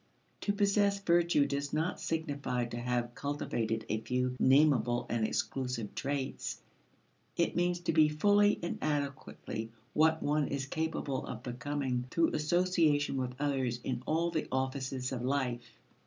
To possess virtue does not signify to have cultivated a few namable and exclusive traits; it means to be fully and adequately what one is capable of becoming through association with others in all the offices of life.